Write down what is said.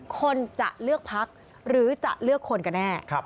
คนจะเลือกพักหรือจะเลือกคนกันแน่